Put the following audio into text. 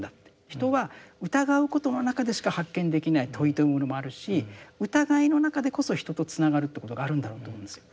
人は疑うことの中でしか発見できない問いというものもあるし疑いの中でこそ人とつながるってことがあるんだろうと思うんですよ。